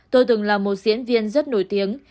tôi từng là một diễn viên rất nổi tiếng